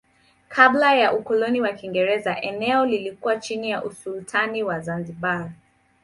Kabla ya ukoloni wa Kiingereza eneo lilikuwa chini ya usultani wa Zanzibar.